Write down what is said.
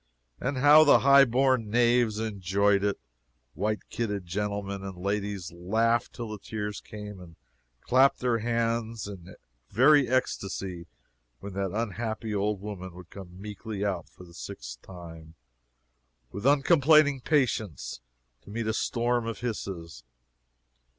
And how the high born knaves enjoyed it! White kidded gentlemen and ladies laughed till the tears came, and clapped their hands in very ecstacy when that unhappy old woman would come meekly out for the sixth time, with uncomplaining patience, to meet a storm of hisses!